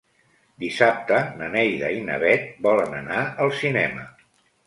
Dissabte na Neida i na Bet volen anar al cinema.